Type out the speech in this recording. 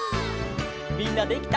みんなできた？